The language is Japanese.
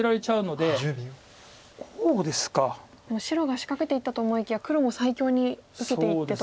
でも白が仕掛けていったと思いきや黒も最強に受けていってと。